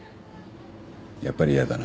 やっぱり嫌だな。